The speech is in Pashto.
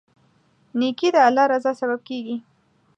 نیکي د الله رضا سبب کیږي.